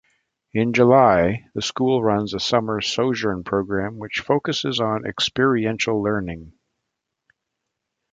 In July, the school runs a Summer Sojourn program which focuses on experiential learning.